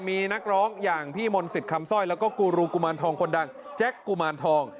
มีนักร้องอย่างพี่มนต์สิทธิ์คำสร้อยแล้วก็กูรูกุมารทองคนดังแจ็คกุมารทอง